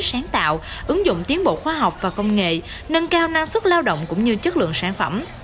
sáng tạo ứng dụng tiến bộ khoa học và công nghệ nâng cao năng suất lao động cũng như chất lượng sản phẩm